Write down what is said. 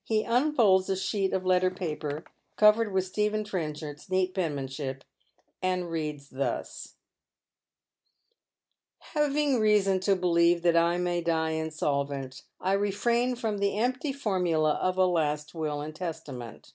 He unfolds a sheet of letter paper covered with Stephen Tren chard's neat penmanship, and reads thus :—" Having reason to believe that I may die insolvent, I refrain from the empty formula of a last will and testament.